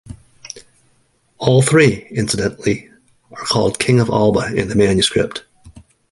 All three, incidentally, are called "King of Alba" in the manuscript.